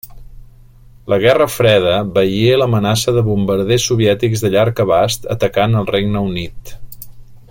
La Guerra Freda veié l'amenaça de bombarders soviètics de llarg abast atacant el Regne Unit.